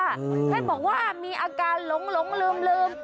ท่านบอกว่ามีอาการหลงลืม